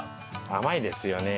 甘いですよね。